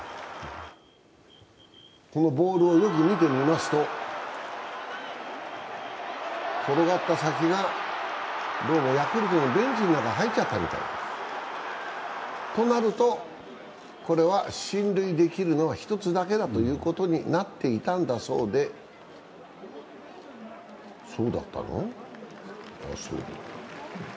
このボールをよく見てみますと、転がった先がどうもヤクルトのベンチの中に入っちゃったみたい。となるとこれは進塁できるのは１だけというふうになっていたんだそうで、そうだったの？